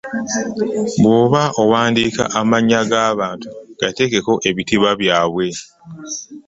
Bw'oba onaawandiika amannya g'abantu gateekeko ebitiibwa byabwe.